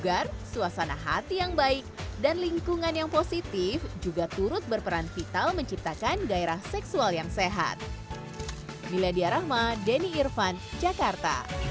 dugar suasana hati yang baik dan lingkungan yang positif juga turut berperan vital menciptakan gairah seksual yang sehat